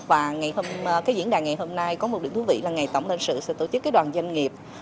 và cái diễn đàn ngày hôm nay có một điểm thú vị là ngày tổng lệnh sự sẽ tổ chức cái đoàn doanh nghiệp